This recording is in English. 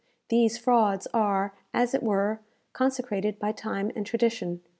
These frauds are, as it were, consecrated by time and tradition.